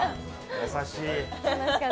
優しい。